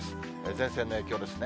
前線の影響ですね。